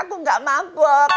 aku gak mabuk